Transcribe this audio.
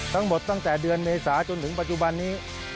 ตั้งแต่เดือนเมษาจนถึงปัจจุบันนี้